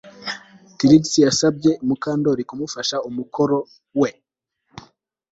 Trix yasabye Mukandoli kumufasha gukora umukoro we